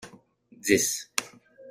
Dix.